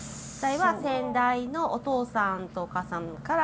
先代のお父さんとお母さんから。